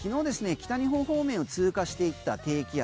北日本方面を通過していった低気圧。